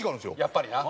やっぱりな。